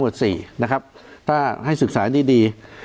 ได้เราให้ศึกษาดี